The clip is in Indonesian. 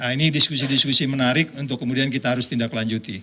ini diskusi diskusi menarik untuk kemudian kita harus tindak lanjuti